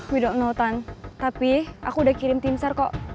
we don't know tante tapi aku udah kirim timsar kok